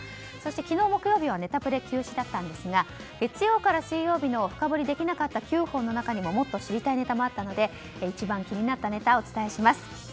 そして、昨日木曜日はネタプレ休止だったんですが月曜から水曜日の深掘りできなかった９本の中にももっと知りたいネタもあったので一番気になったネタをお伝えします。